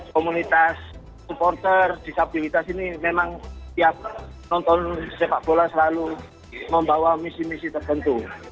komunitas supporter disabilitas ini memang tiap nonton sepak bola selalu membawa misi misi tertentu